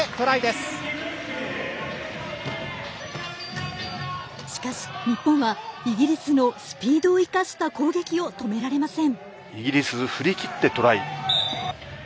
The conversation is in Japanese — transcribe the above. しかし日本はイギリスのスピードを生かした攻撃を止められません。